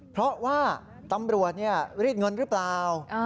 เพราะว่าตำรวจรีดเงินหรือเปล่า